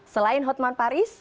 selain hotman paris